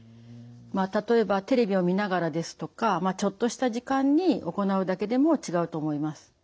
例えばテレビを見ながらですとかちょっとした時間に行うだけでも違うと思います。